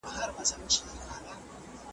دلته به ډیر ګران ئې، که هلته شوې ارزان به شې